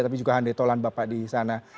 tapi juga handai tolan bapak di sana